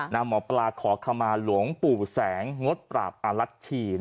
หมอปลาขอขมาหลวงปู่แสงงดปราบอลัชชี